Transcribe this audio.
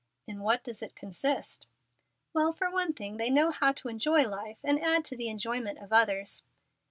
"In what does it consist?" "Well, for one thing they know how to enjoy life and add to the enjoyment of others."